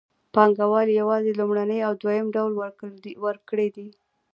پانګوال یوازې لومړنی او دویم ډول ورکړي دي